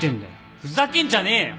ふざけんじゃねえよ！